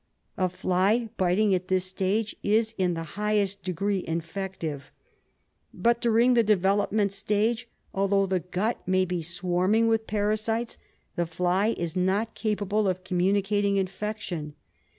A fly biting at this stage is in the highest degree infective. But during the develop ment stage, although the gut may be swai'ming with para sites, the fly is not capable of communicating infection.